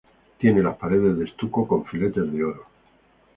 Tiene las paredes de estuco con filetes de oro.